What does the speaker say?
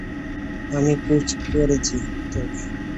আমি খোঁজ করেছি তোর।